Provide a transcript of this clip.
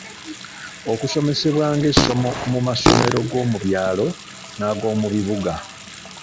Okusomesebwa ng'essomo mu masomero g'omu byalo n'ag’omu bibuga.